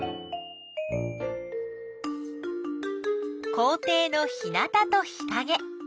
校ていの日なたと日かげ。